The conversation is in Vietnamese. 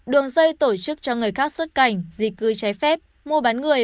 đường dây tổ chức cho người khác xuất cảnh di cư trái phép mua bán người